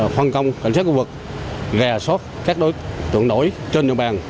phân công cảnh sát khu vực gà sót các đối tượng nổi trên trường bàn